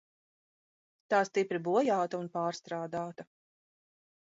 Tā stipri bojāta un pārstrādāta.